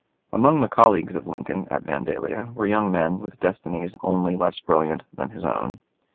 Among the colleagues of Lincoln at Vandalia were young men with destinies only less brilliant than his own.